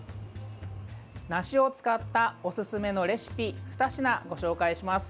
梨を使ったおすすめのレシピ２品ご紹介します。